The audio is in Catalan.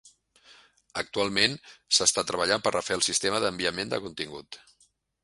Actualment s'està treballant per refer el sistema d'enviament de contingut.